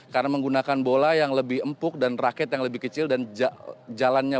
karena menggunakan bola yang lebih empuk dan raket yang lebih kecil dan jalannya